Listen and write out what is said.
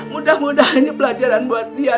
mudah mudahan ini pelajaran buat dia